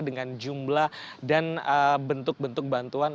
dengan jumlah dan bentuk bentuk bantuan